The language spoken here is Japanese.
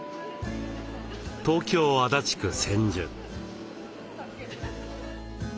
東京・足立区千住。